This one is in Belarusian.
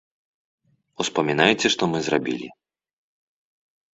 Успамінайце, што мы зрабілі.